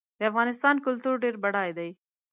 د افغانستان کلتور ډېر بډای دی.